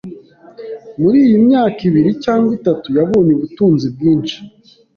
Muri iyi myaka ibiri cyangwa itatu, yabonye ubutunzi bwinshi.